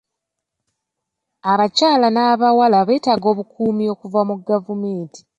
Abakyala n'abawala beetaaga obukuumi okuva mu gavumenti.